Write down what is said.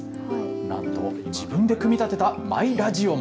なんと自分で組み立てたマイラジオも。